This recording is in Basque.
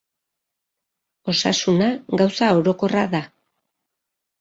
Osasuna gauza orokorra da.